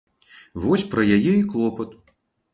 Вось пра яе і клопат.